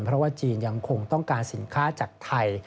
เพราะว่าจีนยังคงต้องการสินค้าจากไทย